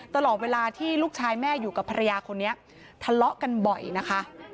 ตลอดเวลาที่ลูกชายแม่อยู่กับภรรยาคนนี้ทะเลาะกันบ่อยนะคะ